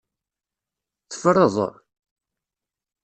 Teffreḍ?